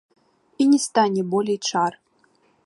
І не стане болей чар.